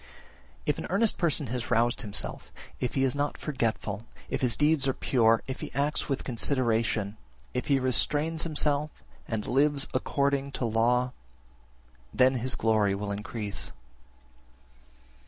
24. If an earnest person has roused himself, if he is not forgetful, if his deeds are pure, if he acts with consideration, if he restrains himself, and lives according to law, then his glory will increase.